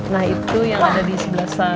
nah itu yang ada di sebelah sana